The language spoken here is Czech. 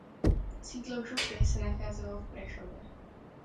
Sídlo župy se nacházelo v Prešově.